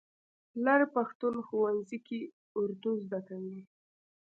لر پښتون ښوونځي کې اردو زده کوي.